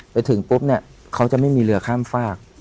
ไปถึงปุ๊บเนี่ยเขาจะไม่มีเรือข้ามฝาก